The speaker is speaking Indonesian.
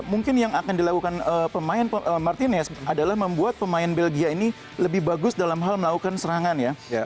mungkin yang akan dilakukan pemain martinez adalah membuat pemain belgia ini lebih bagus dalam hal melakukan serangan ya